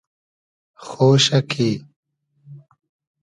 خۉشۂ کی